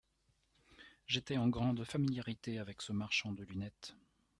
J'étais en grande familiarité avec ce marchand de lunettes.